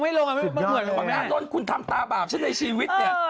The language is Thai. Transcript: ถ้าโดดคุณทำตาบาปชื่อในชีวิตเนี่ย